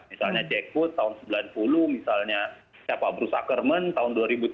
misalnya jack wood tahun seribu sembilan ratus sembilan puluh misalnya bruce ackerman tahun dua ribu tiga